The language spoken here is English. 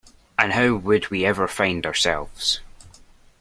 And how would we ever find ourselves.